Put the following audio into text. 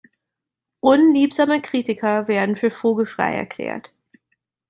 Unliebsame Kritiker werden für vogelfrei erklärt.